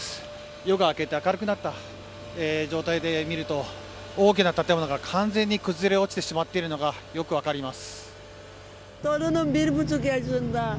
夜が明けた明るい状態で見ると大きな建物が完全に崩れ落ちてしまっているのがよく分かります。